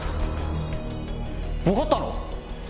分かったの？